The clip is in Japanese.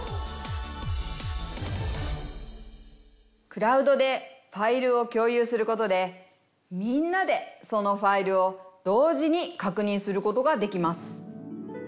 クラウドでファイルを共有することでみんなでそのファイルを同時に確認することができます。